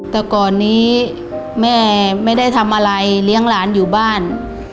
แต่ก่อนนี้แม่ไม่ได้ทำอะไรเลี้ยงหลานอยู่บ้าน